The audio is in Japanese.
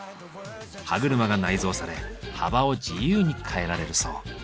歯車が内蔵され幅を自由に変えられるそう。